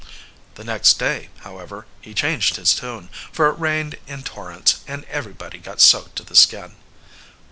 The next day, however, he changed his tune, for it rained in torrents, and everybody got soaked to the skin.